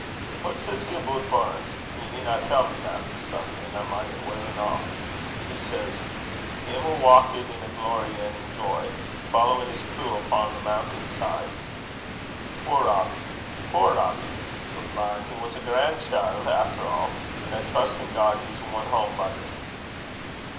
What says he aboot Burns? ye needna tell me, Mr. Sutherlan'; I min't weel aneuch. He says: 'Him wha walked in glory an' in joy, Followin' his ploo upo' the muntain side.' Puir Robbie! puir Robbie! But, man, he was a gran' chield efter a'; an' I trust in God he's won hame by this!"